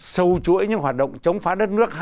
sâu chuỗi những hoạt động chống phá đất nước